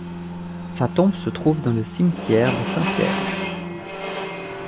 Sa tombe se trouve dans le cimetière de Saint-Pierre.